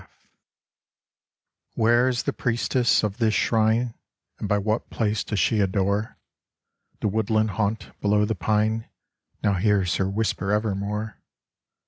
43 WHERE is the priestess of this shrine, And by what place does she adore ? The woodland haunt below the pine Now hears her whisper evermore.